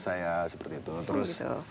saya seperti itu terus